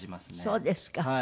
そうですか。